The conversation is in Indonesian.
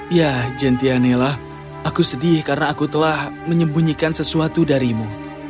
ya gentianela aku sedih karena aku telah menyembunyikan sesuatu darimu